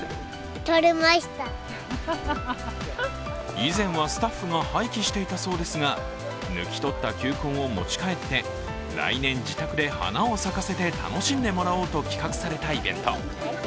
以前はスタッフが廃棄していたそうですが抜き取った球根を持ち帰って、来年自宅で花を咲かせて楽しんでもらおうと企画されたイベント。